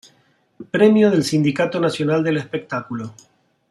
Premio del Sindicato Nacional del Espectáculo.